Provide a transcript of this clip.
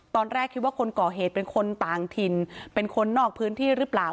ตอนแรกคิดว่าคนก่อเหตุเป็นคนต่างถิ่นเป็นคนนอกพื้นที่หรือเปล่า